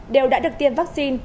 đều đã được tiêm vaccine